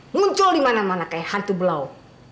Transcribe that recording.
muncul dimana mana kayak hantu belau